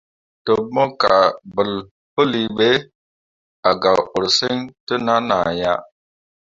Ɗəḅ mo kaaɓəl pəli ɓe, a gak ursəŋ gwari təʼnan ah ya.